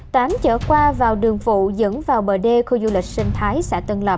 tám chở khoa vào đường vụ dẫn vào bờ đê khu du lịch sinh thái xã tân lập